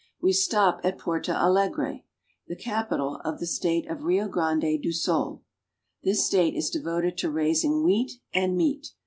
We stop at Porto Alegre (por'to a la^gra), the capital of the state of Rio Grande do Sul. This state is devoted to raising wheat and meat.